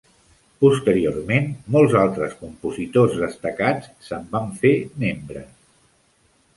Posteriorment, molts altres compositors destacats se'n van fer membres.